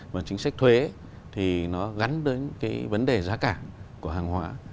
và chính sách thuế thì nó gắn đến cái vấn đề giá cả của hàng hóa